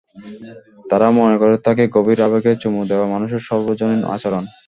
তারা মনে করে থাকে, গভীর আবেগে চুমু দেওয়া মানুষের সর্বজনীন আচরণ।